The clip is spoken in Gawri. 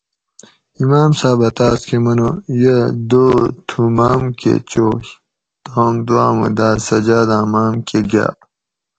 "امام صاۤبہ تاس کہ منو ""یہ دو تُھوں ماۤم کہ چوئے"" تام دُوآۤمو داۤ سجاۤداۤں ماۤم کہ گاۤ"